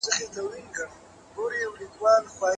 که پوهه نه وي نو ذهنونه قيد پاته کېږي.